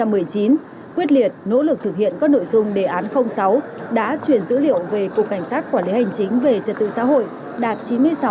quyết liệt nỗ lực thực hiện các nội dung đề án sáu đã chuyển dữ liệu về cục cảnh sát quản lý hành chính về trật tự xã hội đạt chín mươi sáu